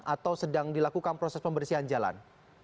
atau sedang dilakukan proses pembersihan jalan